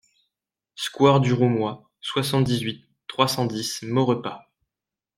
Square du Roumois, soixante-dix-huit, trois cent dix Maurepas